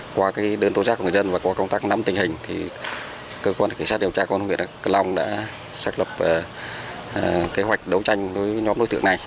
sau đó khi đơn tố giác của người dân và có công tác năm tình hình thì cơ quan cảnh sát điều tra công nghiệp cơ long đã xác lập kế hoạch đấu tranh với nhóm đối tượng này